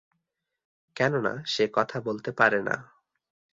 কেননা সে কথা বলতে পারে না।